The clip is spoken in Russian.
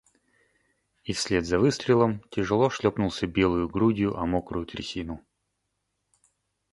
И вслед за выстрелом тяжело шлепнулся белою грудью о мокрую трясину.